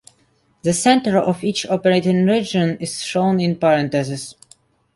The centre of each operating region is shown in parentheses.